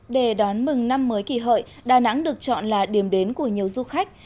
để đón mừng năm mới kỳ hợi đà nẵng được chọn là điểm đến của nhiều du khách